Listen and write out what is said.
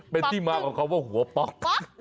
เป็นที่มากกว่าหัวปลอก